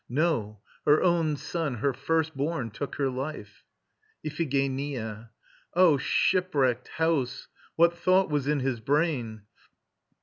No. Her own son, her first born, took her life. IPHIGENIA. O shipwrecked house! What thought was in his brain?